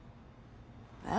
えっ？